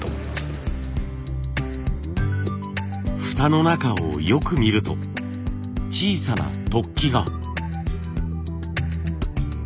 フタの中をよく見ると小さな突起が。